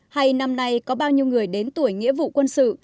hay năm nay có bao nhiêu người đến tuổi nghĩa vụ quân sự